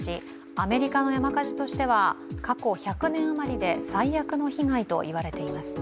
アメリカの山火事としては過去１００年余りで最悪の被害といわれています。